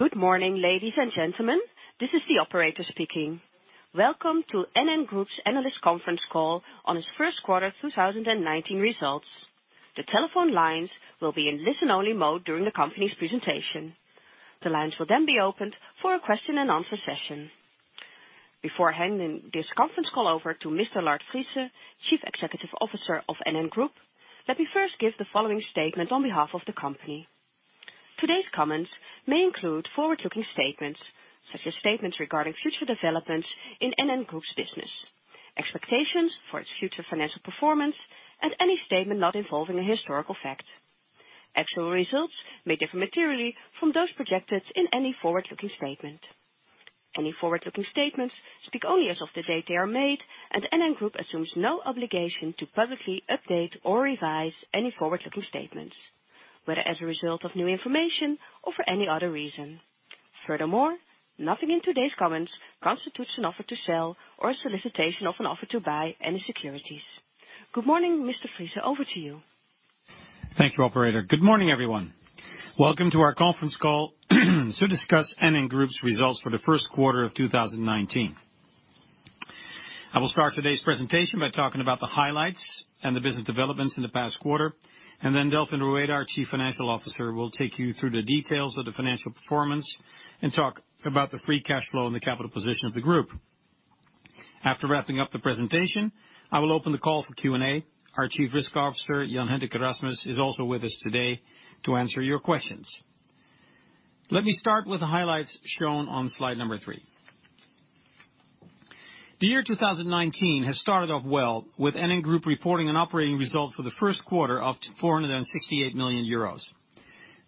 Good morning, ladies and gentlemen. This is the operator speaking. Welcome to NN Group's analyst conference call on its first quarter 2019 results. The telephone lines will be in listen-only mode during the company's presentation. The lines will then be opened for a question and answer session. Before handing this conference call over to Mr. Lard Friese, Chief Executive Officer of NN Group, let me first give the following statement on behalf of the company. Today's comments may include forward-looking statements such as statements regarding future developments in NN Group's business, expectations for its future financial performance, and any statement not involving a historical fact. Actual results may differ materially from those projected in any forward-looking statement. Any forward-looking statements speak only as of the date they are made, NN Group assumes no obligation to publicly update or revise any forward-looking statements, whether as a result of new information or for any other reason. Furthermore, nothing in today's comments constitutes an offer to sell or a solicitation of an offer to buy any securities. Good morning, Mr. Friese. Over to you. Thank you, operator. Good morning, everyone. Welcome to our conference call to discuss NN Group's results for the first quarter of 2019. I will start today's presentation by talking about the highlights and the business developments in the past quarter, Delfin Rueda, our Chief Financial Officer, will take you through the details of the financial performance and talk about the free cash flow and the capital position of the group. After wrapping up the presentation, I will open the call for Q&A. Our Chief Risk Officer, Jan-Hendrik Erasmus, is also with us today to answer your questions. Let me start with the highlights shown on slide number three. The year 2019 has started off well, with NN Group reporting an operating result for the first quarter of 468 million euros.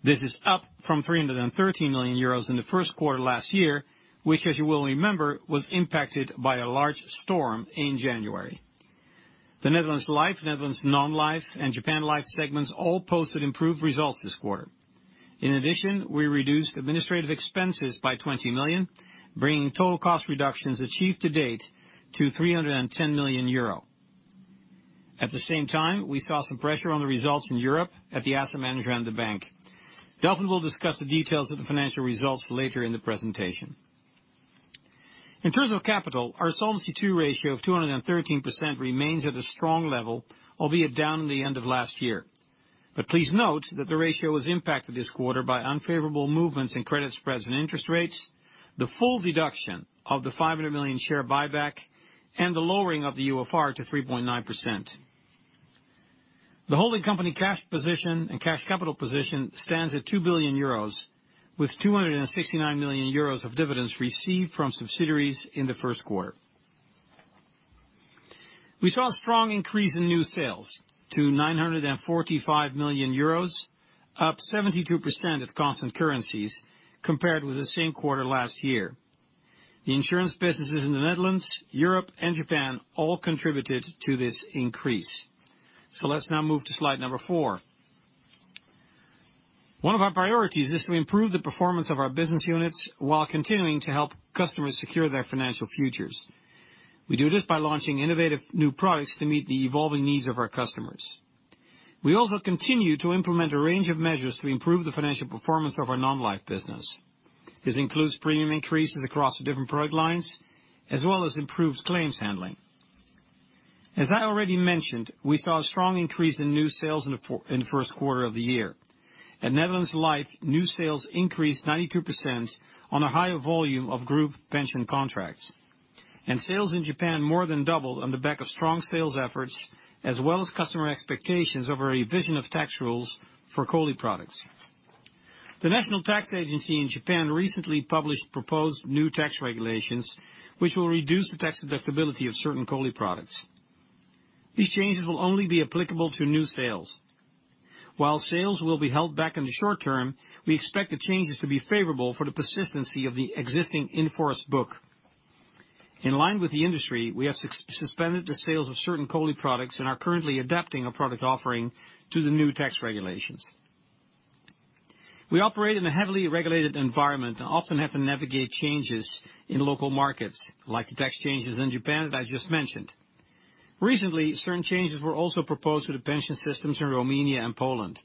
This is up from 313 million euros in the first quarter last year, which, as you will remember, was impacted by a large storm in January. The Netherlands Life, Netherlands Non-Life, and Japan Life segments all posted improved results this quarter. In addition, we reduced administrative expenses by 20 million, bringing total cost reductions achieved to date to 310 million euro. At the same time, we saw some pressure on the results in Europe at the asset manager and the bank. Delfin will discuss the details of the financial results later in the presentation. In terms of capital, our Solvency II ratio of 213% remains at a strong level, albeit down in the end of last year. Please note that the ratio was impacted this quarter by unfavorable movements in credit spreads and interest rates, the full deduction of the 500 million share buyback, and the lowering of the UFR to 3.9%. The holding company cash position and cash capital position stands at 2 billion euros, with 269 million euros of dividends received from subsidiaries in the first quarter. We saw a strong increase in new sales to 945 million euros, up 72% at constant currencies compared with the same quarter last year. The insurance businesses in the Netherlands, Europe, and Japan all contributed to this increase. Let's now move to slide number four. One of our priorities is to improve the performance of our business units while continuing to help customers secure their financial futures. We do this by launching innovative new products to meet the evolving needs of our customers. We also continue to implement a range of measures to improve the financial performance of our non-life business. This includes premium increases across the different product lines, as well as improved claims handling. As I already mentioned, we saw a strong increase in new sales in the first quarter of the year. At Netherlands Life, new sales increased 92% on a higher volume of group pension contracts, and sales in Japan more than doubled on the back of strong sales efforts as well as customer expectations over a revision of tax rules for COLI products. The national tax agency in Japan recently published proposed new tax regulations, which will reduce the tax deductibility of certain COLI products. These changes will only be applicable to new sales. While sales will be held back in the short term, we expect the changes to be favorable for the persistency of the existing in-force book. In line with the industry, we have suspended the sales of certain COLI products and are currently adapting a product offering to the new tax regulations. We operate in a heavily regulated environment and often have to navigate changes in local markets, like the tax changes in Japan that I just mentioned. Recently, certain changes were also proposed to the pension systems in Romania and Poland.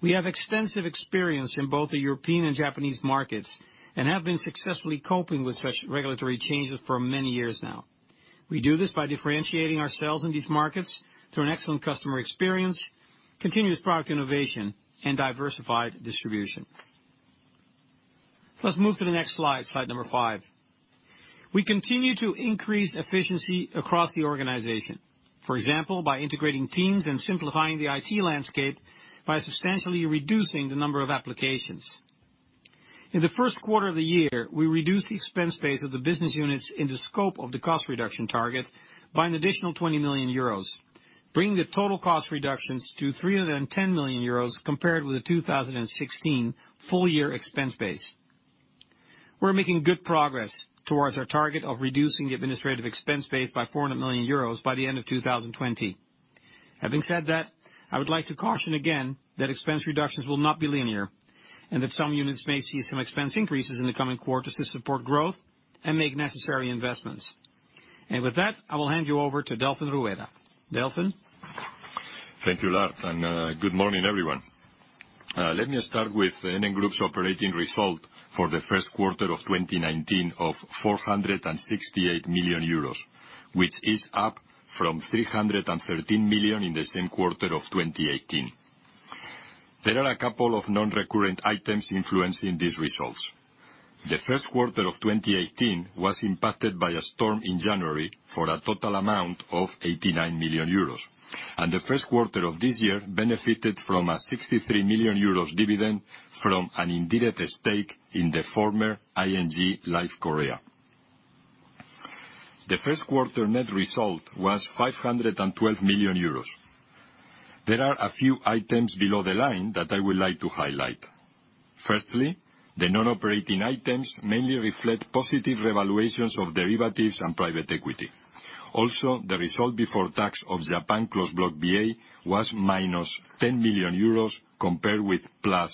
We have extensive experience in both the European and Japanese markets and have been successfully coping with such regulatory changes for many years now. We do this by differentiating ourselves in these markets through an excellent customer experience, continuous product innovation, and diversified distribution. Let's move to the next slide number five. We continue to increase efficiency across the organization. For example, by integrating teams and simplifying the IT landscape by substantially reducing the number of applications. In the first quarter of the year, we reduced the expense base of the business units in the scope of the cost reduction target by an additional 20 million euros, bringing the total cost reductions to 310 million euros compared with the 2016 full-year expense base. We're making good progress towards our target of reducing the administrative expense base by 400 million euros by the end of 2020. Having said that, I would like to caution again that expense reductions will not be linear, and that some units may see some expense increases in the coming quarters to support growth and make necessary investments. With that, I will hand you over to Delfin Rueda. Delfin? Thank you, Lard, and good morning, everyone. Let me start with NN Group's operating result for the first quarter of 2019, of 468 million euros, which is up from 313 million in the same quarter of 2018. There are a couple of non-recurrent items influencing these results. The first quarter of 2018 was impacted by a storm in January for a total amount of 89 million euros, and the first quarter of this year benefited from a 63 million euros dividend from an indirect stake in the former ING Life Korea. The first quarter net result was 512 million euros. There are a few items below the line that I would like to highlight. Firstly, the non-operating items mainly reflect positive revaluations of derivatives and private equity. The result before tax of Japan Closed Block VA was minus 10 million euros, compared with plus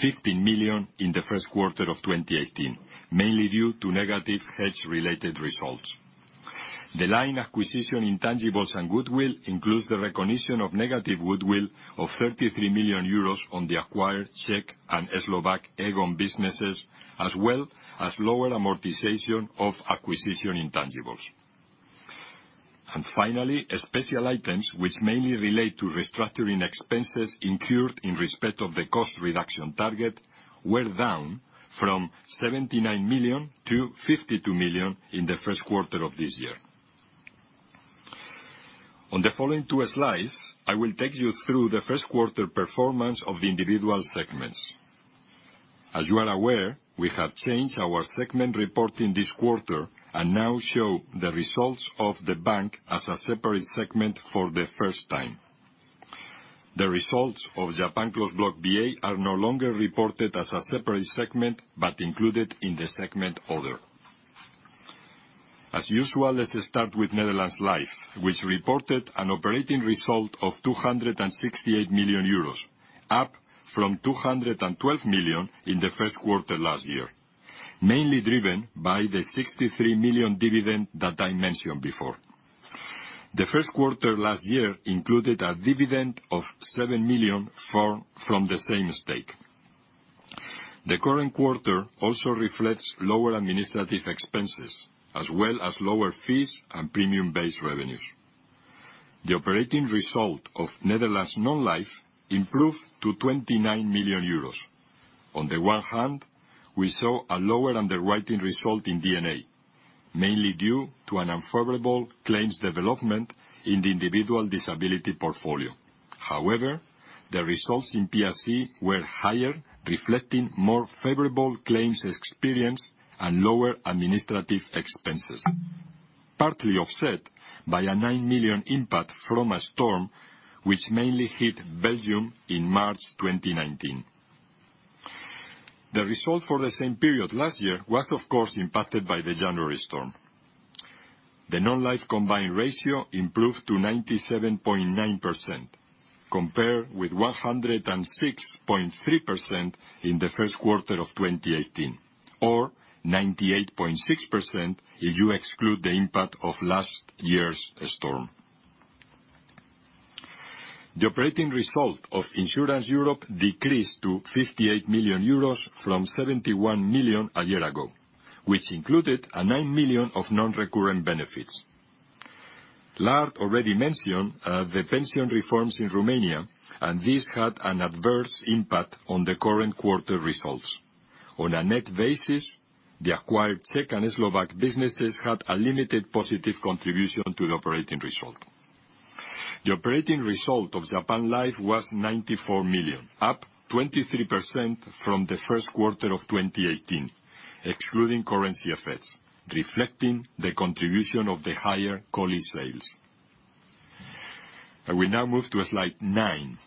15 million in the first quarter of 2018, mainly due to negative hedge-related results. The line acquisition intangibles and goodwill includes the recognition of negative goodwill of 33 million euros on the acquired Czech and Slovak Aegon businesses, as well as lower amortization of acquisition intangibles. Finally, special items, which mainly relate to restructuring expenses incurred in respect of the cost reduction target, were down from 79 million to 52 million in the first quarter of this year. On the following two slides, I will take you through the first quarter performance of the individual segments. As you are aware, we have changed our segment report in this quarter and now show the results of the bank as a separate segment for the first time. The results of Japan Closed Block VA are no longer reported as a separate segment, but included in the segment Other. As usual, let's start with Netherlands Life, which reported an operating result of 268 million euros, up from 212 million in the first quarter last year, mainly driven by the 63 million dividend that I mentioned before. The first quarter last year included a dividend of 7 million from the same stake. The current quarter also reflects lower administrative expenses as well as lower fees and premium-based revenues. The operating result of Netherlands Non-Life improved to 29 million euros. On the one hand, we saw a lower underwriting result in D&A, mainly due to an unfavorable claims development in the individual disability portfolio. The results in PSE were higher, reflecting more favorable claims experience and lower administrative expenses, partly offset by a 9 million impact from a storm which mainly hit Belgium in March 2019. The result for the same period last year was, of course, impacted by the January storm. The Non-Life combined ratio improved to 97.9%, compared with 106.3% in the first quarter of 2018, or 98.6% if you exclude the impact of last year's storm. The operating result of Insurance Europe decreased to 58 million euros from 71 million a year ago, which included a 9 million of non-recurrent benefits. Lars already mentioned the pension reforms in Romania, and this had an adverse impact on the current quarter results. On a net basis, the acquired Czech and Slovak businesses had a limited positive contribution to the operating result. The operating result of Japan Life was 94 million, up 23% from the first quarter of 2018, excluding currency effects, reflecting the contribution of the higher. I will now move to slide nine.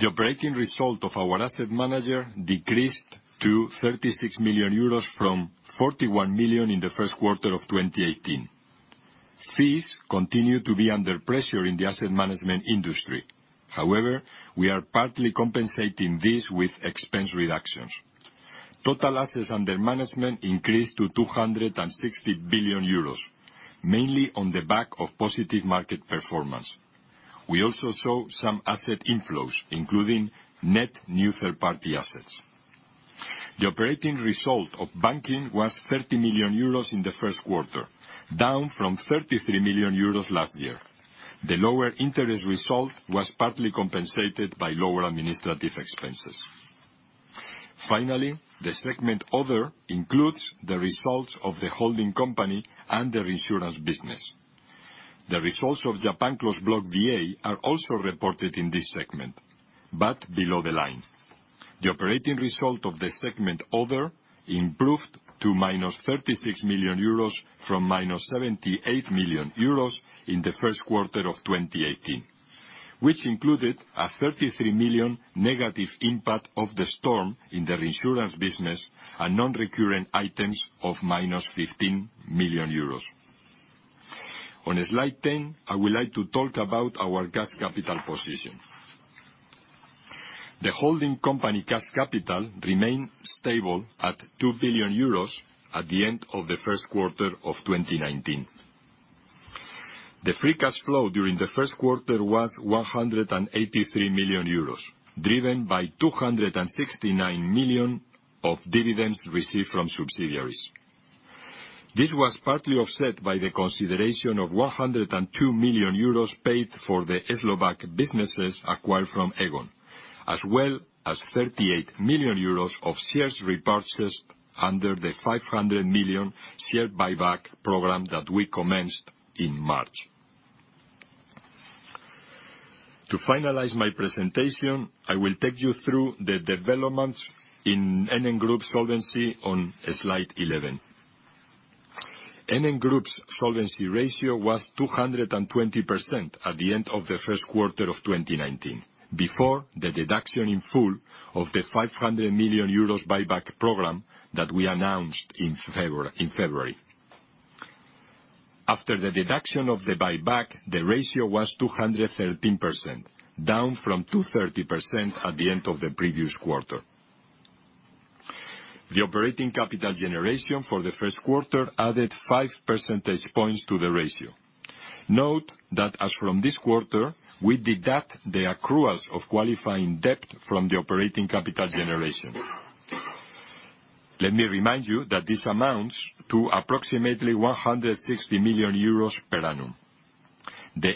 The operating result of our asset manager decreased to 36 million euros from 41 million in the first quarter of 2018. Fees continue to be under pressure in the asset management industry. We are partly compensating this with expense reductions. Total assets under management increased to 260 billion euros, mainly on the back of positive market performance. We also saw some asset inflows, including net new third-party assets. The operating result of banking was 30 million euros in the first quarter, down from 33 million euros last year. The lower interest result was partly compensated by lower administrative expenses. The segment Other includes the results of the holding company and the reinsurance business. The results of Japan Closed Block VA are also reported in this segment, but below the line. The operating result of the segment Other improved to minus 36 million euros from minus 78 million euros in the first quarter of 2018, which included a 33 million negative impact of the storm in the reinsurance business and non-recurrent items of minus 15 million euros. On slide 10, I would like to talk about our cash capital position. The holding company cash capital remained stable at 2 billion euros at the end of the first quarter of 2019. The free cash flow during the first quarter was 183 million euros, driven by 269 million of dividends received from subsidiaries. This was partly offset by the consideration of 102 million euros paid for the Slovak businesses acquired from Aegon, as well as 38 million euros of shares repurchased under the 500 million share buyback program that we commenced in March. To finalize my presentation, I will take you through the developments in NN Group solvency on slide 11. NN Group's solvency ratio was 220% at the end of the first quarter of 2019, before the deduction in full of the 500 million euros buyback program that we announced in February. After the deduction of the buyback, the ratio was 213%, down from 230% at the end of the previous quarter. The operating capital generation for the first quarter added five percentage points to the ratio. Note that as from this quarter, we deduct the accruals of qualifying debt from the operating capital generation. Let me remind you that this amounts to approximately 160 million euros per annum. The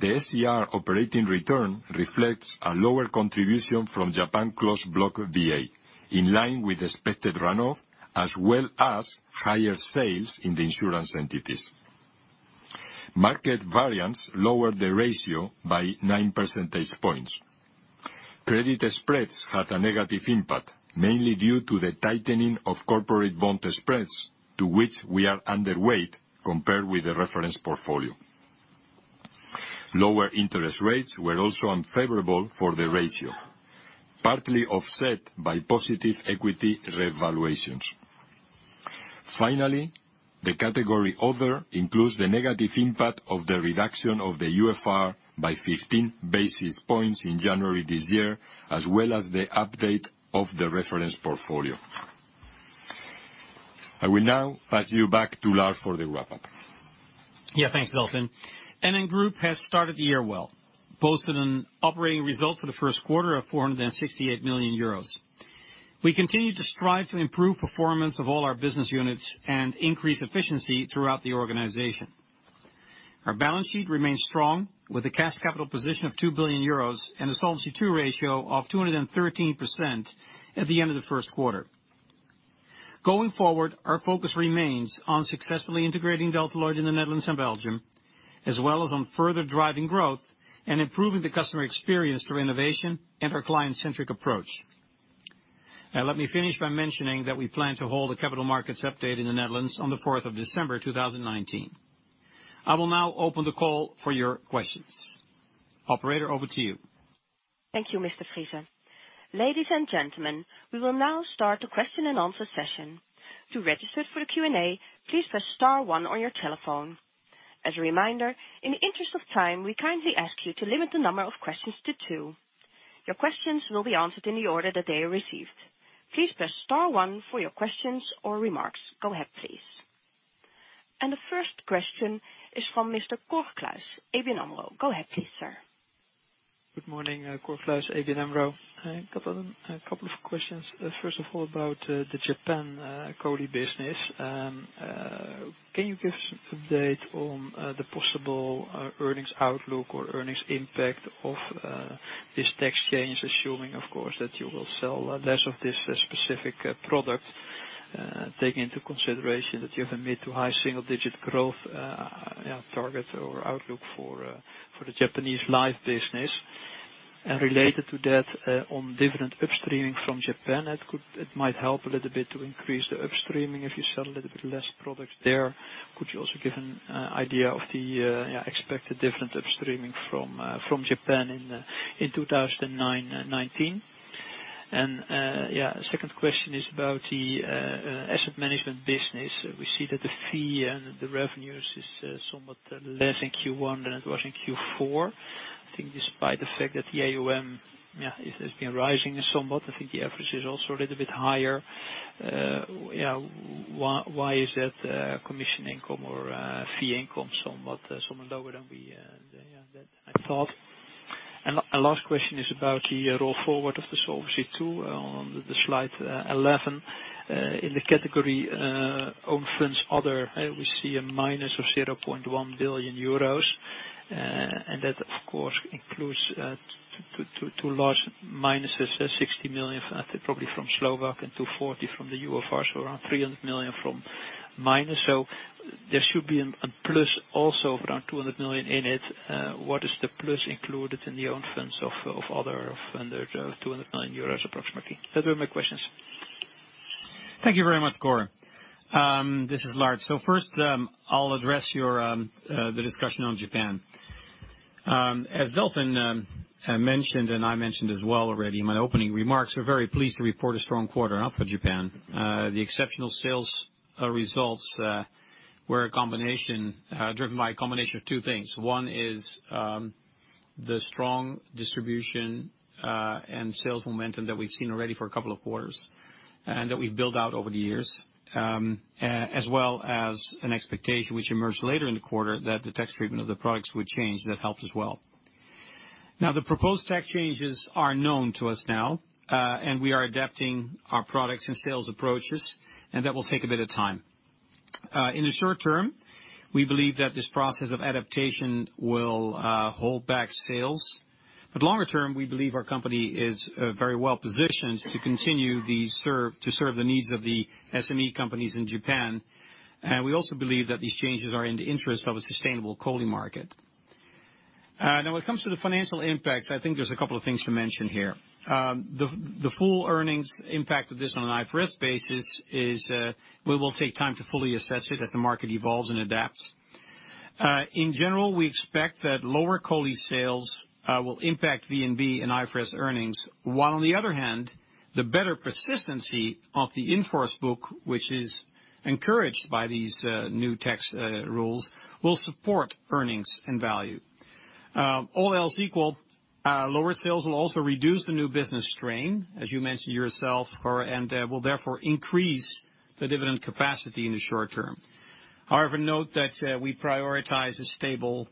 SCR operating return reflects a lower contribution from Japan Closed Block VA, in line with expected runoff, as well as higher sales in the insurance entities. Market variance lowered the ratio by nine percentage points. Credit spreads had a negative impact, mainly due to the tightening of corporate bond spreads, to which we are underweight compared with the reference portfolio. Lower interest rates were also unfavorable for the ratio, partly offset by positive equity revaluations. The category Other includes the negative impact of the reduction of the UFR by 15 basis points in January this year, as well as the update of the reference portfolio. I will now pass you back to Lard for the wrap-up. Yeah, thanks, Delfin. NN Group has started the year well, posted an operating result for the first quarter of 468 million euros. We continue to strive to improve performance of all our business units and increase efficiency throughout the organization. Our balance sheet remains strong, with a cash capital position of 2 billion euros and a Solvency II ratio of 213% at the end of the first quarter. Going forward, our focus remains on successfully integrating Delta Lloyd in the Netherlands and Belgium, as well as on further driving growth and improving the customer experience through innovation and our client-centric approach. Now, let me finish by mentioning that we plan to hold a capital markets update in the Netherlands on the fourth of December 2019. I will now open the call for your questions. Operator, over to you. Thank you, Mr. Friese. Ladies and gentlemen, we will now start the question and answer session. To register for the Q&A, please press star one on your telephone. As a reminder, in the interest of time, we kindly ask you to limit the number of questions to two. Your questions will be answered in the order that they are received. Please press star one for your questions or remarks. Go ahead, please. The first question is from Mr. Cor Kluis, ABN AMRO. Go ahead please, sir. Good morning, Cor Kluis, ABN AMRO. I got a couple of questions. First of all, about the Japan COLI business. Can you give us an update on the possible earnings outlook or earnings impact of this tax change, assuming, of course, that you will sell less of this specific product, taking into consideration that you have a mid to high single-digit growth target or outlook for the Japan Life business? Related to that, on different upstreaming from Japan, it might help a little bit to increase the upstreaming if you sell a little bit less product there. Could you also give an idea of the expected different upstreaming from Japan in 2019? Second question is about the asset management business. We see that the fee and the revenues is somewhat less in Q1 than it was in Q4. I think despite the fact that the AUM has been rising somewhat, I think the average is also a little bit higher. Why is that commission income or fee income somewhat lower than I thought? Last question is about the roll forward of the Solvency II on slide 11. In the category Own Funds Other, we see a minus of 0.1 billion euros. That, of course, includes two large minuses, 60 million, I think probably from Slovak and 240 million from the UFR, so around 300 million from minus. There should be a plus also of around 200 million in it. What is the plus included in the Own Funds of Other of under 209 million euros approximately? Those were my questions. Thank you very much, Cor. This is Lard. First, I'll address the discussion on Japan. As Delfin mentioned, and I mentioned as well already in my opening remarks, we're very pleased to report a strong quarter in and of Japan. The exceptional sales results were driven by a combination of two things. One is the strong distribution and sales momentum that we've seen already for a couple of quarters, and that we've built out over the years, as well as an expectation which emerged later in the quarter that the tax treatment of the products would change. That helped as well. The proposed tax changes are known to us now, and we are adapting our products and sales approaches, and that will take a bit of time. In the short term, we believe that this process of adaptation will hold back sales. Longer term, we believe our company is very well positioned to continue to serve the needs of the SME companies in Japan. We also believe that these changes are in the interest of a sustainable COLI market. When it comes to the financial impacts, I think there's a couple of things to mention here. The full earnings impact of this on an IFRS basis is, we will take time to fully assess it as the market evolves and adapts. In general, we expect that lower COLI sales will impact VNB and IFRS earnings. While on the other hand, the better persistency of the in-force book, which is encouraged by these new tax rules, will support earnings and value. All else equal, lower sales will also reduce the new business strain, as you mentioned yourself, and will therefore increase the dividend capacity in the short term. Note that we prioritize a stable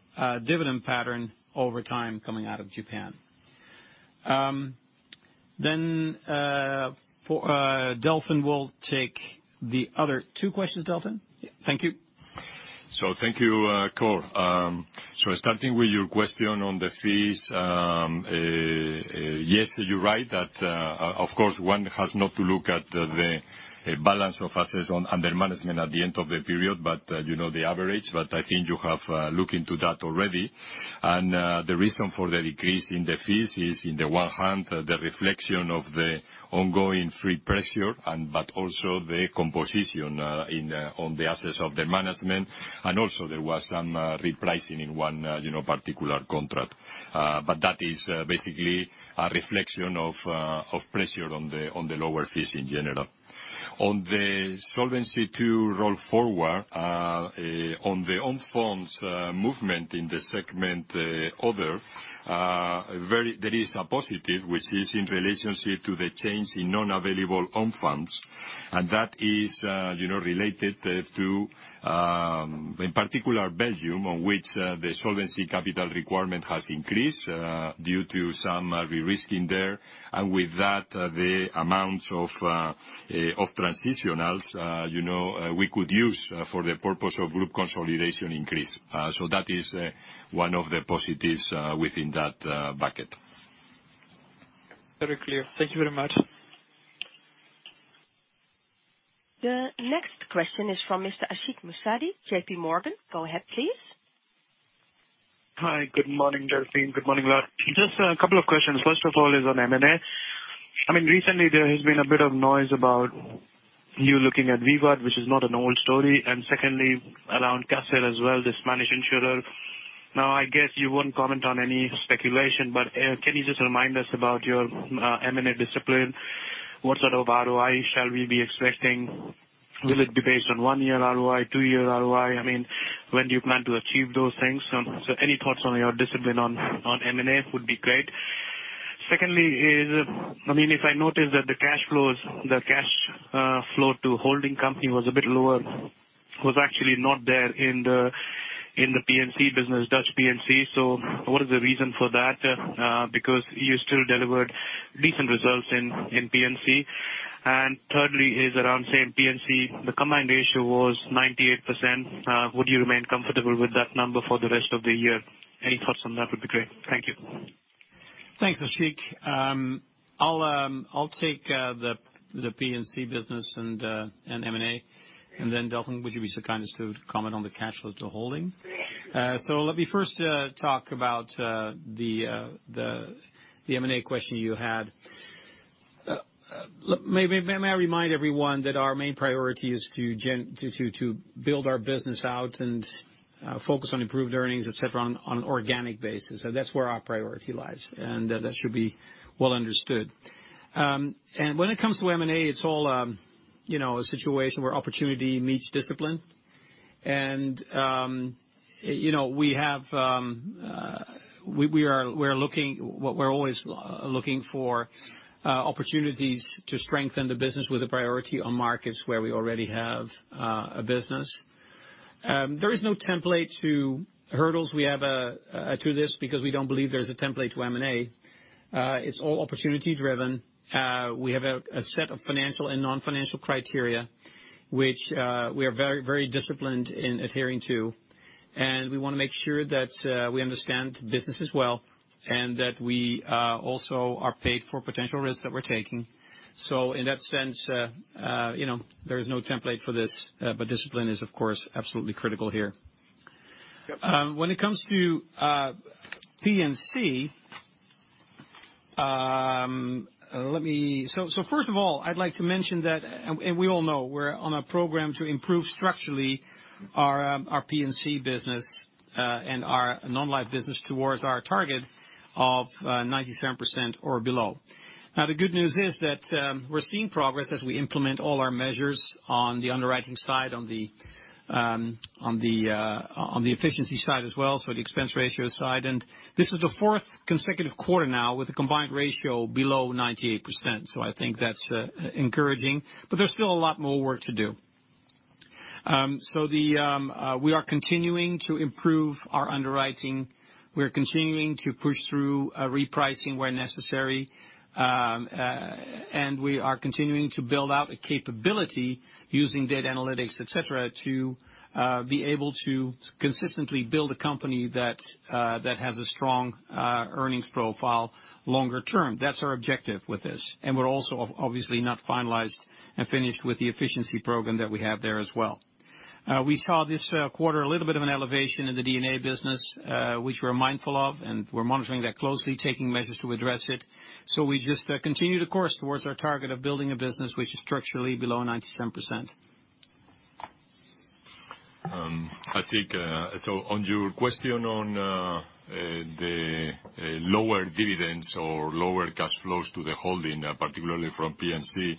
dividend pattern over time coming out of Japan. Delfin will take the other two questions. Delfin? Thank you. Thank you, Cor. Starting with your question on the fees. Yes, you're right, that of course, one has not to look at the balance of assets under management at the end of the period, but you know the average. I think you have looked into that already. The reason for the decrease in the fees is in the one hand, the reflection of the ongoing fee pressure, but also the composition on the assets under management. Also there was some repricing in one particular contract. That is basically a reflection of pressure on the lower fees in general. On the Solvency II roll forward, on the own funds movement in the segment, other, there is a positive, which is in relationship to the change in non-available own funds. That is related to, in particular, Belgium, on which the solvency capital requirement has increased due to some de-risking there. With that, the amounts of transitionals we could use for the purpose of group consolidation increase. That is one of the positives within that bucket. Very clear. Thank you very much. The next question is from Mr. Ashik Musaddi, JPMorgan. Go ahead, please. Hi, good morning, Delfin. Good morning, Cor. Just a couple of questions. First of all is on M&A. Recently there has been a bit of noise about you looking at Vivat, which is not an old story, and secondly, around Caser as well, the Spanish insurer. Now, I guess you won't comment on any speculation, but can you just remind us about your M&A discipline? What sort of ROI shall we be expecting? Will it be based on one year ROI, two year ROI? When do you plan to achieve those things? Any thoughts on your discipline on M&A would be great. Secondly is, if I notice that the cash flow to holding company was a bit lower, was actually not there in the P&C business, Dutch P&C. What is the reason for that? Because you still delivered decent results in P&C. Thirdly is around, say, in P&C, the combined ratio was 98%. Would you remain comfortable with that number for the rest of the year? Any thoughts on that would be great. Thank you. Thanks, Ashik. I'll take the P&C business and M&A, then Delfin, would you be so kind as to comment on the cash flow to holding? Let me first talk about the M&A question you had. May I remind everyone that our main priority is to build our business out and focus on improved earnings, et cetera, on organic basis. That's where our priority lies, and that should be well understood. When it comes to M&A, it's all a situation where opportunity meets discipline. We're always looking for opportunities to strengthen the business with a priority on markets where we already have a business. There is no template to hurdles we have to this because we don't believe there's a template to M&A. It's all opportunity-driven. We have a set of financial and non-financial criteria, which we are very disciplined in adhering to, and we want to make sure that we understand the businesses well, and that we also are paid for potential risks that we're taking. In that sense, there is no template for this. Discipline is, of course, absolutely critical here. Yep. When it comes to P&C, first of all, I'd like to mention that, and we all know, we're on a program to improve structurally our P&C business, and our non-life business towards our target of 97% or below. The good news is that we're seeing progress as we implement all our measures on the underwriting side, on the efficiency side as well, so the expense ratio side, and this is the fourth consecutive quarter now with a combined ratio below 98%. I think that's encouraging. There's still a lot more work to do. We are continuing to improve our underwriting. We are continuing to push through repricing where necessary. We are continuing to build out a capability using data analytics, et cetera, to be able to consistently build a company that has a strong earnings profile longer term. That's our objective with this, we're also obviously not finalized and finished with the efficiency program that we have there as well. We saw this quarter, a little bit of an elevation in the P&C business, which we're mindful of, and we're monitoring that closely, taking measures to address it. We just continue the course towards our target of building a business which is structurally below 97%. I think, on your question on the lower dividends or lower cash flows to the holding, particularly from P&C.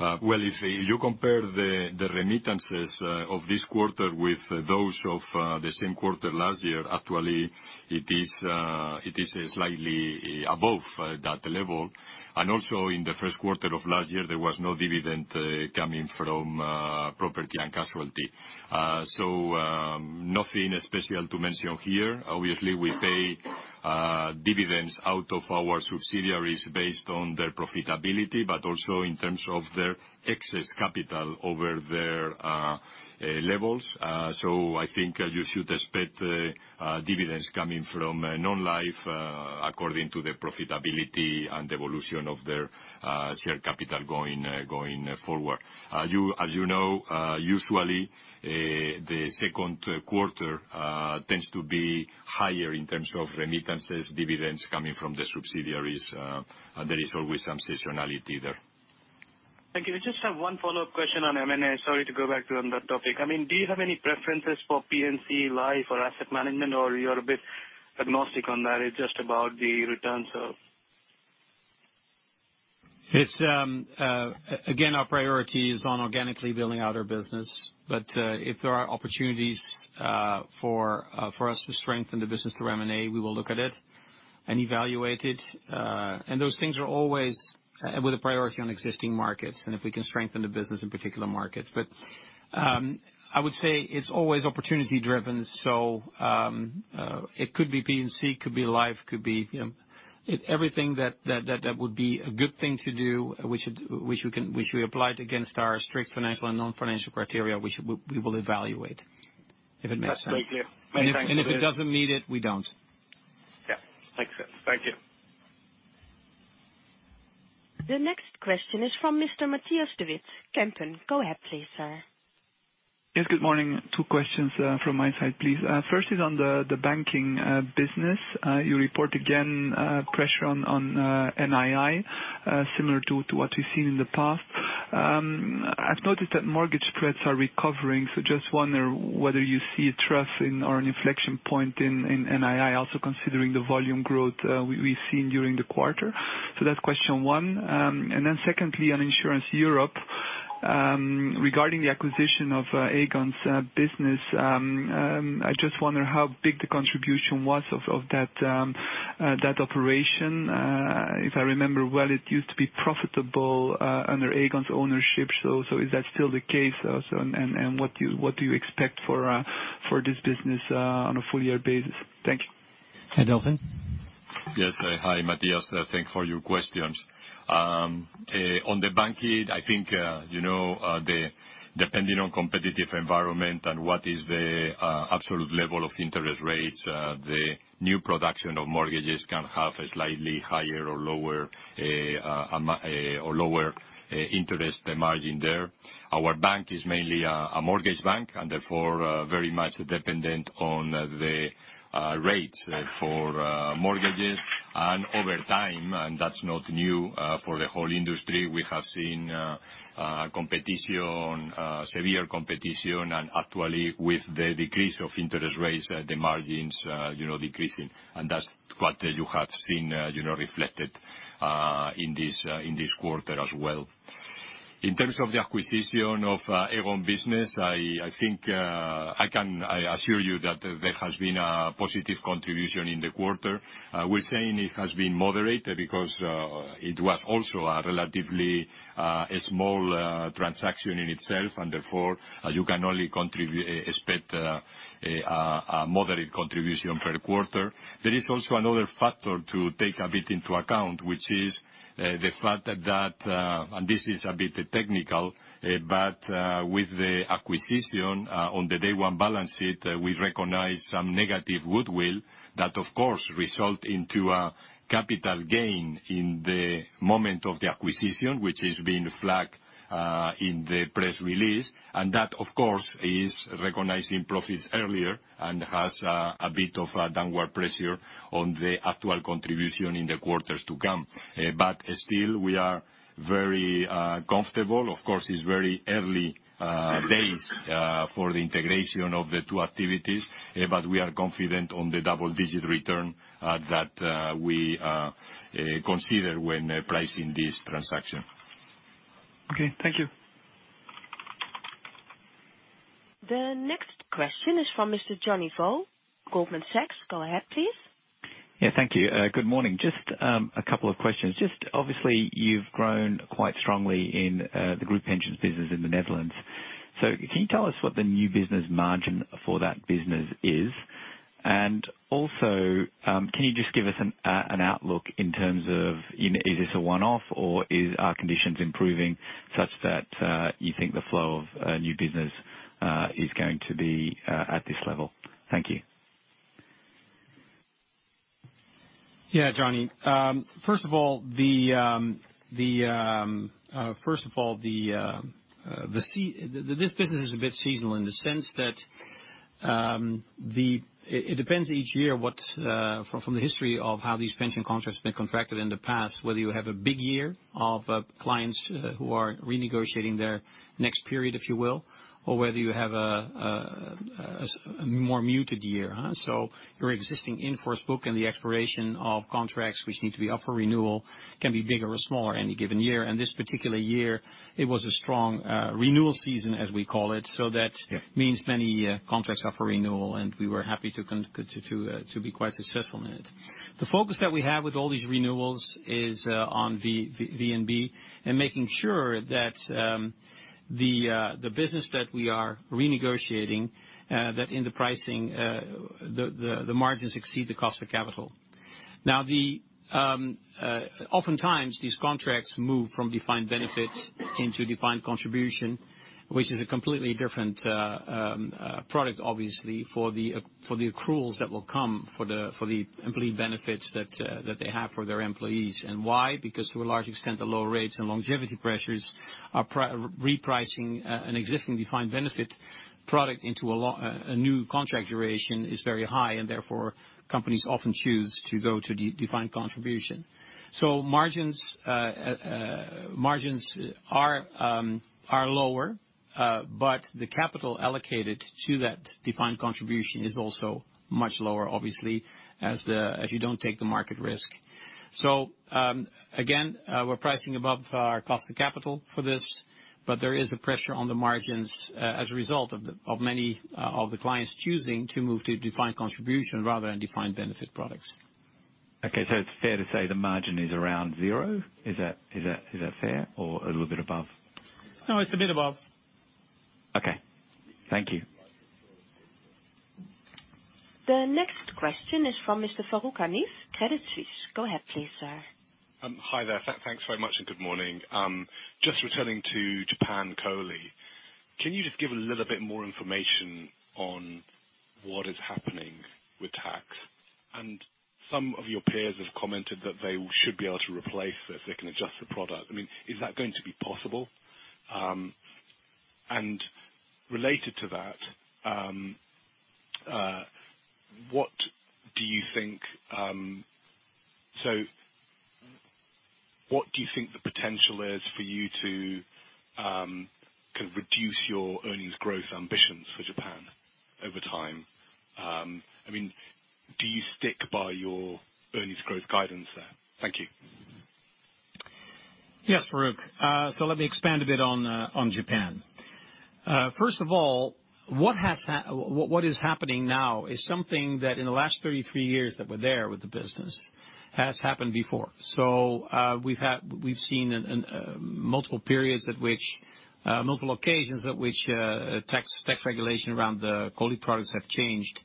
If you compare the remittances of this quarter with those of the same quarter last year, actually it is slightly above that level. Also, in the first quarter of last year, there was no dividend coming from Property and Casualty. Nothing special to mention here. Obviously, we pay dividends out of our subsidiaries based on their profitability, but also in terms of their excess capital over their levels. I think you should expect dividends coming from Non-Life, according to the profitability and evolution of their shared capital going forward. As you know, usually, the second quarter tends to be higher in terms of remittances, dividends coming from the subsidiaries, and there is always some seasonality there. Thank you. I just have one follow-up question on M&A. Sorry to go back on that topic. Do you have any preferences for P&C, Life or asset management, or you're a bit agnostic on that, it's just about the returns? Again, our priority is on organically building out our business. If there are opportunities for us to strengthen the business through M&A, we will look at it and evaluate it. Those things are always with a priority on existing markets and if we can strengthen the business in particular markets. I would say it's always opportunity driven. It could be P&C, could be Life, could be everything that would be a good thing to do, which we applied against our strict financial and non-financial criteria, we will evaluate. If it makes sense. That's very clear. Many thanks for this. If it doesn't meet it, we don't. Yeah. Makes sense. Thank you. The next question is from Mr. Matthias de Wit, Kempen. Go ahead please, sir. Yes, good morning. Two questions from my side, please. First is on the banking business. You report again pressure on NII, similar to what we've seen in the past. I've noticed that mortgage spreads are recovering, just wonder whether you see a trough or an inflection point in NII, also considering the volume growth we've seen during the quarter. That's question one. Secondly, on Insurance Europe, regarding the acquisition of Aegon's business. I just wonder how big the contribution was of that operation. If I remember well, it used to be profitable under Aegon's ownership. Is that still the case? What do you expect for this business on a full year basis? Thank you. Hi, Delfin? Yes. Hi, Matthias. Thanks for your questions. On the banking, I think, depending on competitive environment and what is the absolute level of interest rates, the new production of mortgages can have a slightly higher or lower interest margin there. Our bank is mainly a mortgage bank, therefore, very much dependent on the rates for mortgages, and over time, that's not new for the whole industry. We have seen competition, severe competition, actually, with the decrease of interest rates, the margins decreasing. That's what you have seen reflected in this quarter as well. In terms of the acquisition of Aegon business, I assure you that there has been a positive contribution in the quarter. We're saying it has been moderate because it was also a relatively small transaction in itself, therefore, you can only expect a moderate contribution per quarter. There is also another factor to take a bit into account, which is the fact that, this is a bit technical, with the acquisition on the day one balance sheet, we recognize some negative goodwill. That, of course, result into a capital gain in the moment of the acquisition, which has been flagged in the press release. That, of course, is recognizing profits earlier and has a bit of a downward pressure on the actual contribution in the quarters to come. Still, we are very comfortable. Of course, it's very early days for the integration of the two activities. We are confident on the double-digit return that we consider when pricing this transaction. Okay. Thank you. The next question is from Mr. Johnny Vo, Goldman Sachs. Go ahead, please. Yeah. Thank you. Good morning. Just a couple of questions. Obviously, you've grown quite strongly in the group pensions business in the Netherlands. Can you tell us what the new business margin for that business is? Also, can you just give us an outlook in terms of, is this a one-off, or are conditions improving such that you think the flow of new business is going to be at this level? Thank you. Yeah, Johnny. First of all, this business is a bit seasonal in the sense that it depends each year, from the history of how these pension contracts have been contracted in the past, whether you have a big year of clients who are renegotiating their next period, if you will, or whether you have a more muted year. Your existing in-force book and the expiration of contracts which need to be up for renewal can be bigger or smaller any given year. This particular year, it was a strong renewal season, as we call it. Yeah. That means many contracts up for renewal, and we were happy to be quite successful in it. The focus that we have with all these renewals is on VNB and making sure that the business that we are renegotiating, that in the pricing, the margins exceed the cost of capital. Oftentimes, these contracts move from defined benefit into defined contribution, which is a completely different product, obviously, for the accruals that will come for the employee benefits that they have for their employees. Why? Because to a large extent, the low rates and longevity pressures are repricing an existing defined benefit product into a new contract duration is very high, and therefore, companies often choose to go to defined contribution. Margins are lower, but the capital allocated to that defined contribution is also much lower, obviously, as you don't take the market risk. Again, we're pricing above our cost of capital for this, but there is a pressure on the margins as a result of many of the clients choosing to move to defined contribution rather than defined benefit products. Okay. It's fair to say the margin is around zero. Is that fair or a little bit above? No, it's a bit above. Okay. Thank you. The next question is from Mr. Farooq Hanif, Credit Suisse. Go ahead please, sir. Hi there. Thanks very much, and good morning. Just returning to Japan COLI, can you just give a little bit more information on what is happening with tax? Some of your peers have commented that they should be able to replace it if they can adjust the product. Is that going to be possible? Related to that, what do you think the potential is for you to reduce your earnings growth ambitions for Japan over time? Do you stick by your earnings growth guidance there? Thank you. Yes, Farooq. Let me expand a bit on Japan. First of all, what is happening now is something that in the last 33 years that we're there with the business, has happened before. We've seen multiple periods at which multiple occasions at which tax regulation around the COLI products have changed.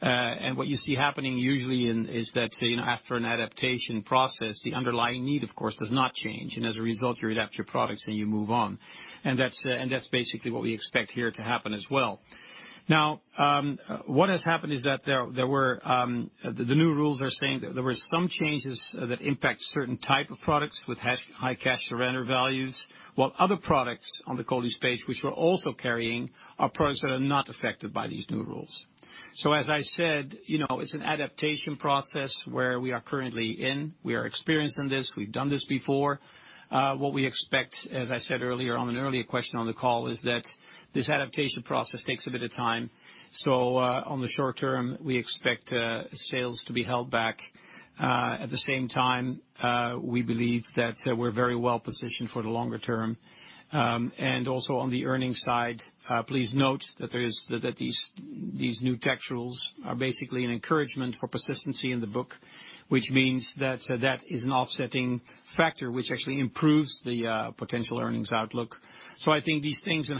What you see happening usually is that after an adaptation process, the underlying need, of course, does not change, and as a result, you adapt your products and you move on. That's basically what we expect here to happen as well. What has happened is that the new rules are saying there were some changes that impact certain type of products with high cash surrender values, while other products on the COLI space which we're also carrying are products that are not affected by these new rules. As I said, it's an adaptation process where we are currently in. We are experienced in this. We've done this before. What we expect, as I said earlier on an earlier question on the call, is that this adaptation process takes a bit of time. On the short term, we expect sales to be held back. At the same time, we believe that we're very well positioned for the longer term. Also on the earnings side, please note that these new tax rules are basically an encouragement for persistency in the book, which means that that is an offsetting factor which actually improves the potential earnings outlook. I think these things and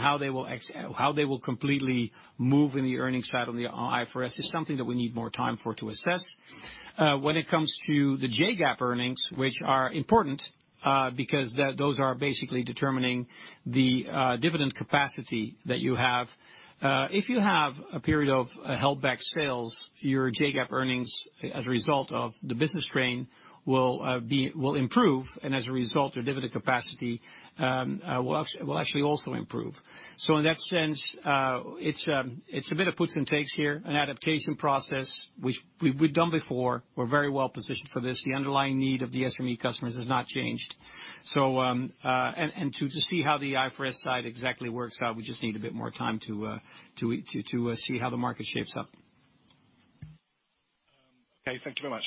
how they will completely move in the earnings side on the IFRS is something that we need more time for to assess. When it comes to the JGAAP earnings, which are important because those are basically determining the dividend capacity that you have. If you have a period of held-back sales, your JGAAP earnings as a result of the business strain will improve, and as a result, your dividend capacity will actually also improve. In that sense, it's a bit of puts and takes here, an adaptation process which we've done before. We're very well positioned for this. The underlying need of the SME customers has not changed. To see how the IFRS side exactly works out, we just need a bit more time to see how the market shapes up. Okay, thank you very much.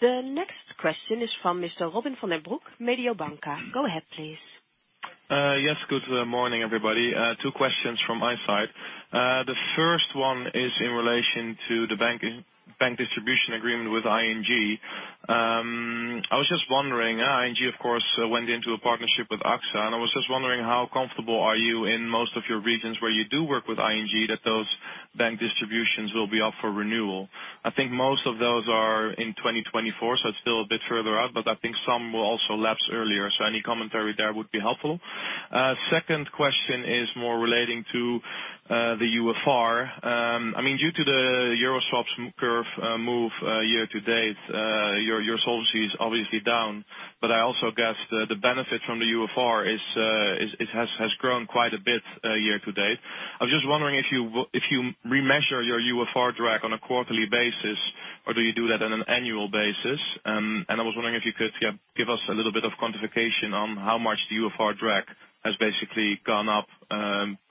The next question is from Mr. Robin van den Broek, Mediobanca. Go ahead, please. Yes. Good morning, everybody. Two questions from my side. The first one is in relation to the bank distribution agreement with ING. I was just wondering, ING, of course, went into a partnership with AXA, and I was just wondering how comfortable are you in most of your regions where you do work with ING that those bank distributions will be up for renewal? I think most of those are in 2024, so it's still a bit further out, but I think some will also lapse earlier. Any commentary there would be helpful. Second question is more relating to the UFR. Due to the EUR swaps curve move year to date, your solvency is obviously down, but I also guess the benefit from the UFR has grown quite a bit year to date. I was just wondering if you remeasure your UFR drag on a quarterly basis, or do you do that on an annual basis? I was wondering if you could give us a little bit of quantification on how much the UFR drag has basically gone up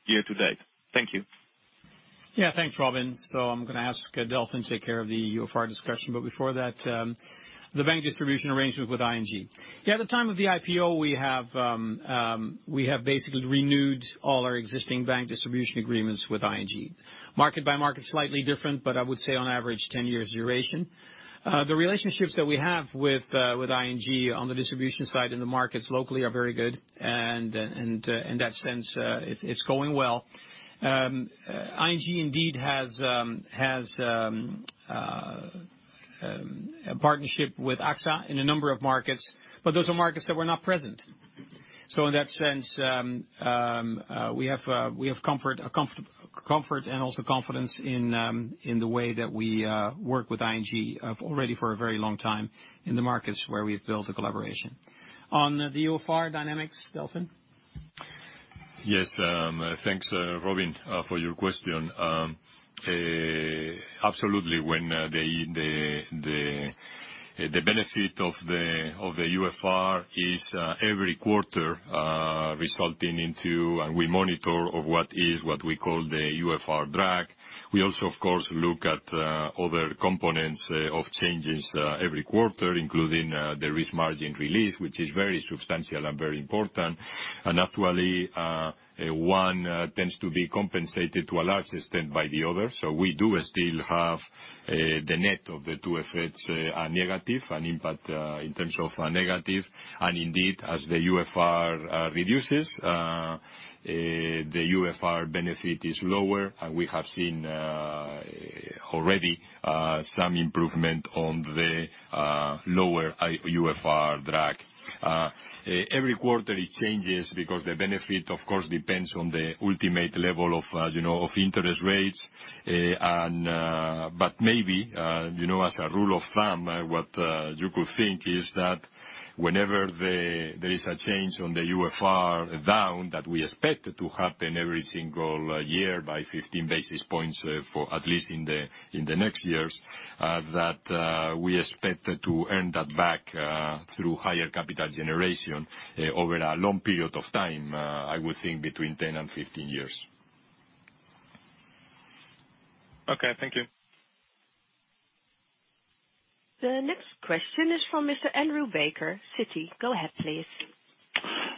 year to date. Thank you. Thanks, Robin. I'm going to ask Delfin take care of the UFR discussion. Before that, the bank distribution arrangement with ING. At the time of the IPO, we have basically renewed all our existing bank distribution agreements with ING. Market by market, slightly different, but I would say on average, 10 years duration. The relationships that we have with ING on the distribution side in the markets locally are very good, and in that sense, it's going well. ING indeed has a partnership with AXA in a number of markets, but those are markets that we're not present. In that sense, we have comfort and also confidence in the way that we work with ING already for a very long time in the markets where we've built a collaboration. On the UFR dynamics, Delfin? Yes. Thanks, Robin, for your question. Absolutely, when the benefit of the UFR is every quarter resulting into, and we monitor of what is what we call the UFR drag. We also, of course, look at other components of changes every quarter, including the risk margin release, which is very substantial and very important. Actually, one tends to be compensated to a large extent by the other. We do still have the net of the two effects are negative, an impact in terms of a negative. Indeed, as the UFR reduces, the UFR benefit is lower, and we have seen already some improvement on the lower UFR drag. Every quarter it changes because the benefit, of course, depends on the ultimate level of interest rates. As a rule of thumb, what you could think is that whenever there is a change on the UFR down, that we expect to happen every single year by 15 basis points at least in the next years, that we expect to earn that back through higher capital generation over a long period of time, I would think between 10 and 15 years. Okay, thank you. The next question is from Mr. Andrew Baker, Citi. Go ahead, please.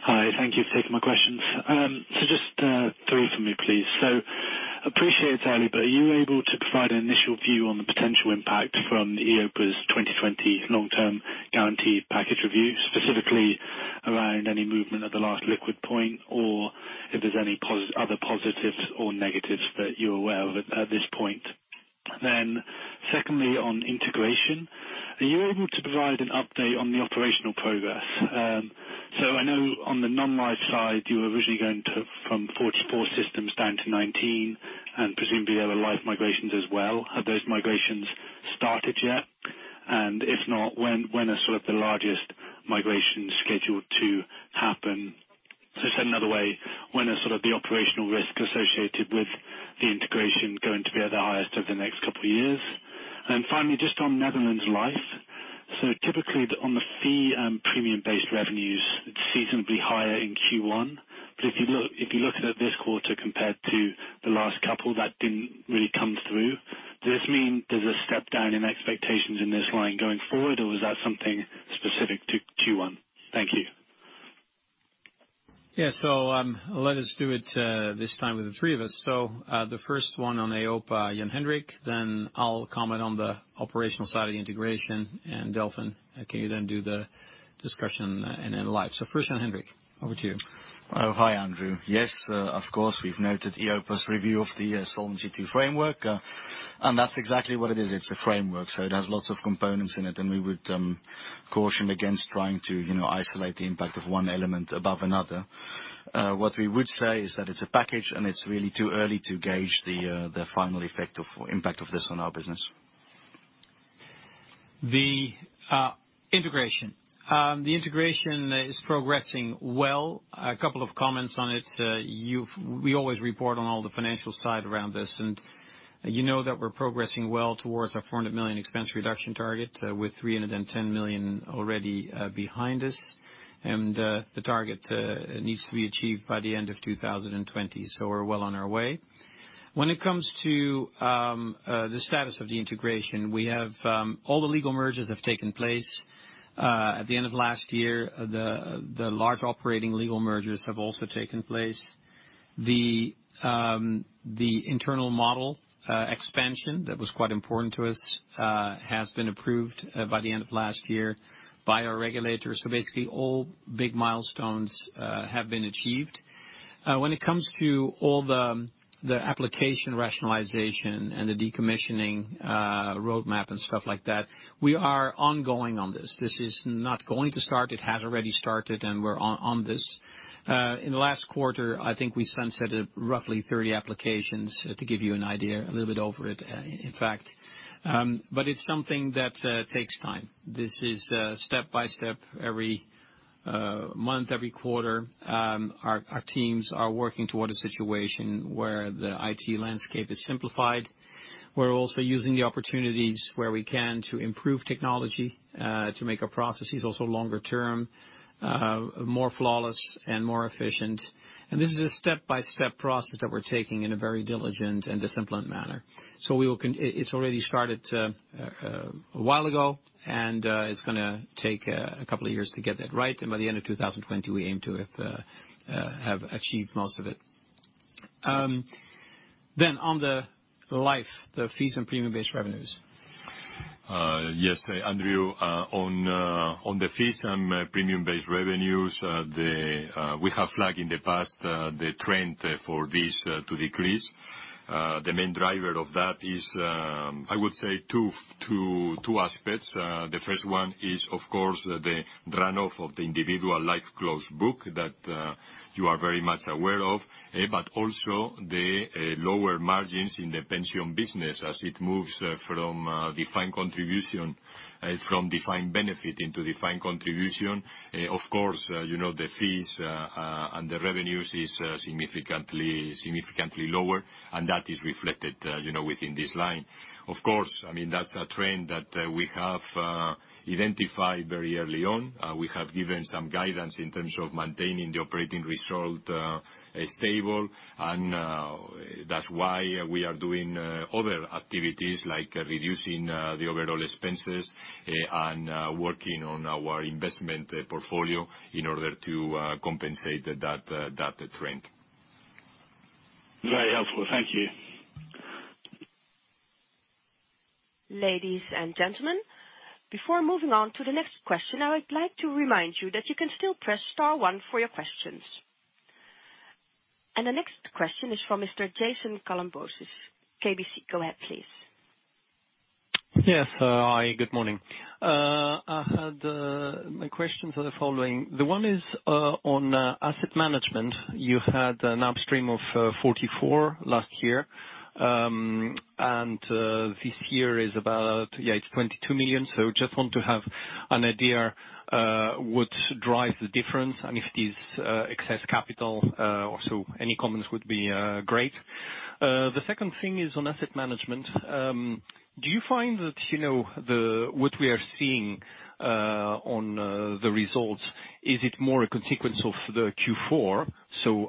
Hi. Thank you for taking my questions. Just three from me, please. Appreciate it, Ali, are you able to provide an initial view on the potential impact from EIOPA's 2020 long term guarantee measures, specifically around any movement at the last liquid point, or if there's any other positives or negatives that you're aware of at this point? Secondly, on integration, are you able to provide an update on the operational progress? I know on the non-life side, you were originally going from 44 systems down to 19, and presumably there were life migrations as well. Have those migrations started yet? If not, when are sort of the largest migrations scheduled to happen? Said another way, when are sort of the operational risk associated with the integration going to be at the highest over the next couple of years? Finally, just on Netherlands Life. Typically on the fee and premium-based revenues, it's seasonally higher in Q1. If you looked at this quarter compared to the last couple, that didn't really come through. Does this mean there's a step down in expectations in this line going forward, or was that something specific to Q1? Thank you. Let us do it this time with the three of us. The first one on EIOPA, Jan-Hendrik, then I'll comment on the operational side of the integration, and Delfin, can you then do the discussion and then live. First, Jan-Hendrik, over to you. Hi, Andrew. Yes, of course, we've noted EIOPA's review of the Solvency II framework. That's exactly what it is. It's a framework, it has lots of components in it, we would caution against trying to isolate the impact of one element above another. What we would say is that it's a package, it's really too early to gauge the final effect of impact of this on our business. The integration is progressing well. A couple of comments on it. We always report on all the financial side around this, you know that we're progressing well towards our 400 million expense reduction target, with 310 million already behind us. The target needs to be achieved by the end of 2020. We're well on our way. When it comes to the status of the integration, all the legal mergers have taken place. At the end of last year, the large operating legal mergers have also taken place. The internal model expansion that was quite important to us has been approved by the end of last year by our regulators. Basically, all big milestones have been achieved. When it comes to all the application rationalization and the decommissioning roadmap and stuff like that, we are ongoing on this. This is not going to start. We're on this. In the last quarter, I think we sunsetted roughly 30 applications, to give you an idea, a little bit over it, in fact. It's something that takes time. This is step by step. Every month, every quarter, our teams are working toward a situation where the IT landscape is simplified. We're also using the opportunities where we can to improve technology, to make our processes also longer term, more flawless, and more efficient. This is a step-by-step process that we're taking in a very diligent and disciplined manner. It's already started a while ago, and it's going to take a couple of years to get that right, and by the end of 2020, we aim to have achieved most of it. On the Life, the fees and premium-based revenues. Yes, Andrew, on the fees and premium-based revenues, we have flagged in the past the trend for this to decrease. The main driver of that is, I would say, two aspects. The first one is, of course, the run-off of the individual life closed book that you are very much aware of, but also the lower margins in the pension business as it moves from defined benefit into defined contribution. The fees and the revenues is significantly lower, and that is reflected within this line. That's a trend that we have identified very early on. We have given some guidance in terms of maintaining the operating result stable, and that's why we are doing other activities like reducing the overall expenses and working on our investment portfolio in order to compensate that trend. Very helpful. Thank you. Ladies and gentlemen, before moving on to the next question, I would like to remind you that you can still press star one for your questions. The next question is from Mr. Jason Kalamboussis, KBC. Go ahead, please. Yes. Hi, good morning. My questions are the following. The one is on asset management. You had an upstream of 44 last year, and this year is about 22 million. Just want to have an idea what drives the difference and if it is excess capital or so. Any comments would be great. The second thing is on asset management. Do you find that what we are seeing on the results, is it more a consequence of the Q4?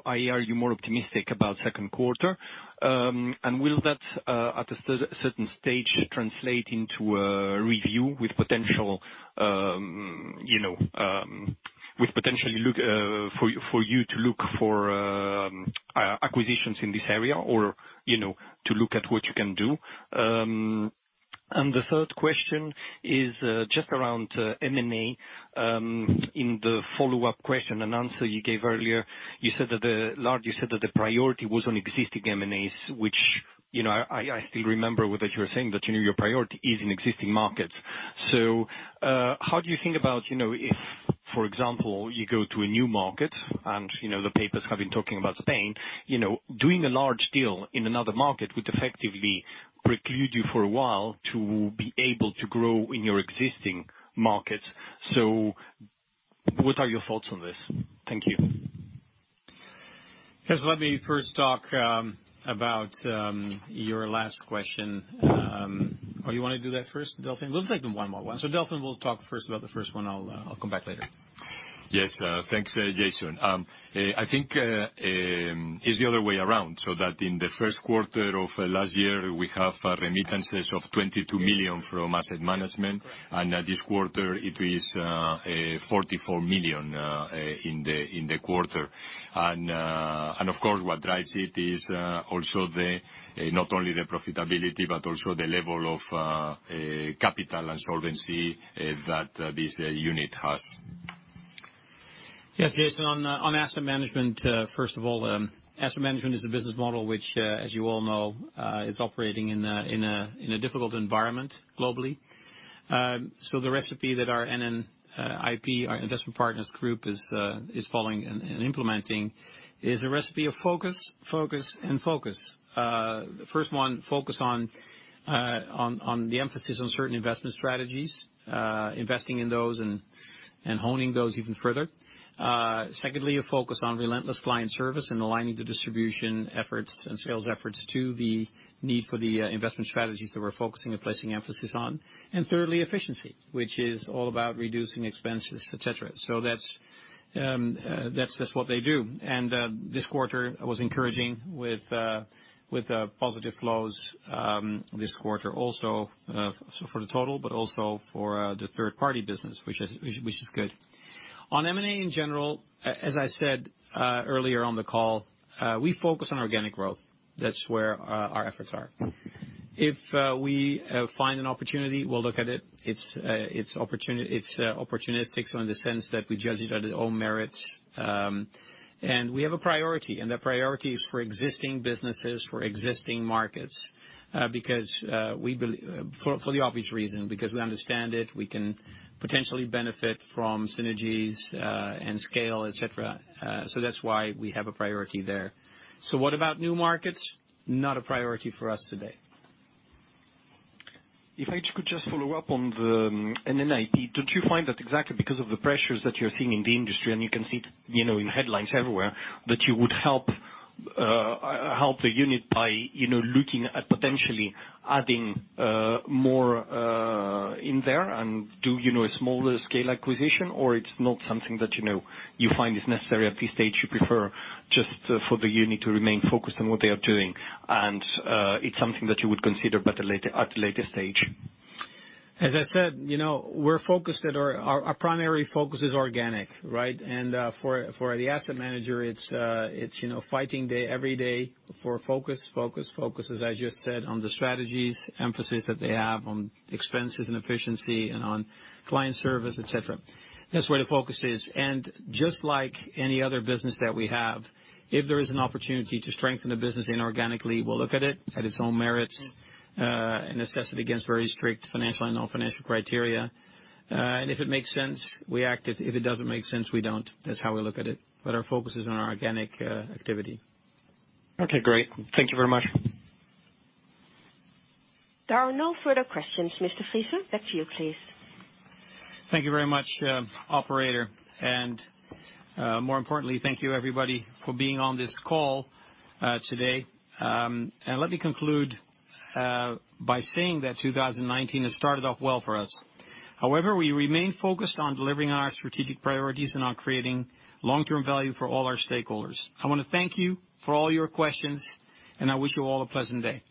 Are you more optimistic about second quarter? Will that, at a certain stage, translate into a review with potential for you to look for acquisitions in this area or to look at what you can do? The third question is just around M&A. In the follow-up question and answer you gave earlier, you said that the priority was on existing M&As, which I still remember that you were saying that your priority is in existing markets. How do you think about if, for example, you go to a new market, and the papers have been talking about Spain, doing a large deal in another market would effectively preclude you for a while to be able to grow in your existing markets. What are your thoughts on this? Thank you. Jason, let me first talk about your last question. Or you want to do that first, Delfin? Let's take them one by one. Delfin will talk first about the first one. I'll come back later. Yes. Thanks, Jason. I think it's the other way around, in the first quarter of last year, we have remittances of 22 million from asset management, and this quarter it is 44 million in the quarter. Of course, what drives it is not only the profitability but also the level of capital and solvency that this unit has. Yes, Jason, on asset management, first of all, asset management is a business model, which, as you all know, is operating in a difficult environment globally. The recipe that our NN IP, our investment partners group, is following and implementing is a recipe of focus, and focus. First one, focus on the emphasis on certain investment strategies, investing in those and honing those even further. Secondly, a focus on relentless client service and aligning the distribution efforts and sales efforts to the need for the investment strategies that we're focusing and placing emphasis on. Thirdly, efficiency, which is all about reducing expenses, et cetera. That's what they do. This quarter was encouraging with a positive close this quarter also for the total, but also for the third-party business, which is good. On M&A in general, as I said earlier on the call, we focus on organic growth. That's where our efforts are. If we find an opportunity, we'll look at it. It's opportunistic in the sense that we judge it at its own merits. We have a priority, and that priority is for existing businesses, for existing markets, for the obvious reason, because we understand it, we can potentially benefit from synergies, and scale, et cetera. That's why we have a priority there. What about new markets? Not a priority for us today. If I could just follow up on the NN IP, don't you find that exactly because of the pressures that you're seeing in the industry, and you can see it in headlines everywhere, that you would help the unit by looking at potentially adding more in there and do a smaller scale acquisition? It's not something that you find is necessary at this stage, you prefer just for the unit to remain focused on what they are doing, and it's something that you would consider but at a later stage? As I said, our primary focus is organic, right? For the asset manager, it's fighting every day for focus. Focus, as I just said, on the strategies, emphasis that they have on expenses and efficiency and on client service, et cetera. That's where the focus is. Just like any other business that we have, if there is an opportunity to strengthen the business inorganically, we'll look at it at its own merits and assess it against very strict financial and non-financial criteria. If it makes sense, we act. If it doesn't make sense, we don't. That's how we look at it. Our focus is on our organic activity. Okay, great. Thank you very much. There are no further questions, Mr. Friese. Back to you, please. Thank you very much, operator. More importantly, thank you everybody for being on this call today. Let me conclude by saying that 2019 has started off well for us. However, we remain focused on delivering our strategic priorities and on creating long-term value for all our stakeholders. I want to thank you for all your questions, and I wish you all a pleasant day.